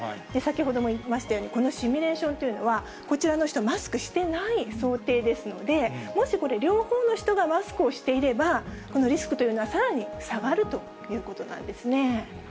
先ほども言いましたように、このシミュレーションというのは、こちらの人、マスクしてない想定ですので、もしこれ、両方の人がマスクをしていれば、このリスクというのはさらに下がるということなんですね。